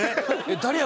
「誰や？